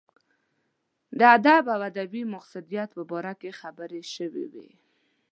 د ادب او ادبي مقصدیت په باره کې خبرې شوې وې.